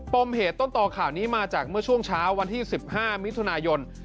มเหตุต้นต่อข่าวนี้มาจากเมื่อช่วงเช้าวันที่๑๕มิถุนายน